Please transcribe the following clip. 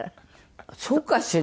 「そうかしら？」